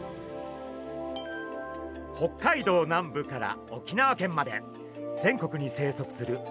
北海道南部から沖縄県まで全国に生息するアオリイカ。